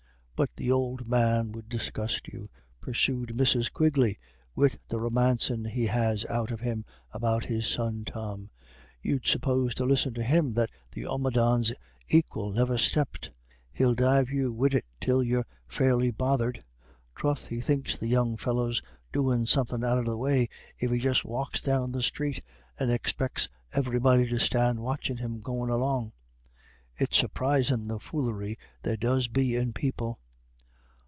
"But the ould man would disgust you," pursued Mrs. Quigley, "wid the romancin' he has out of him about his son Tom. You'd suppose, to listen to him, that the omadhawn's aquil never stepped. He'll deive you wid it till you're fairly bothered. Troth, he thinks the young fellow's doin' somethin' out of the way if he just walks down the street, and expec's everybody to stand watchin' him goin' along. It's surprisin' the foolery there does be in people."